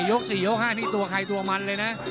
ยก๔ยก๕นี่ตัวใครตัวมันเลยนะ